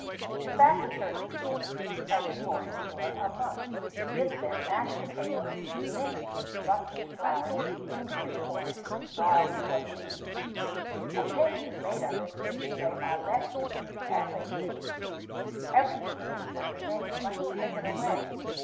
To fatten turkeys every morning, for a month, give them mashed potatoes, mixed with buck wheat flour, Indian corn, barley, or beans; a paste is made of it which they are left to eat as they please. Every evening what remains must be taken away.